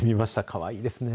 かわいいですね。